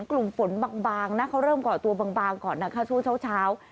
กลุ่มฝนบางนะเขาเริ่มก่อตัวบางก่อนนะคะช่วงเช้า